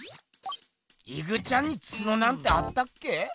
イグちゃんにツノなんてあったっけ？